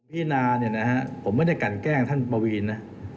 พี่นาเนี่ยนะฮะผมไม่ได้กันแกล้งท่านปวีนนะ